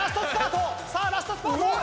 さあラストスパート！